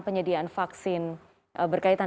penyediaan vaksin berkaitan